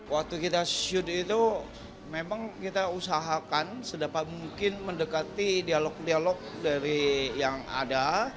waktu kita syute itu memang kita usahakan sedapat mungkin mendekati dialog dialog dari yang ada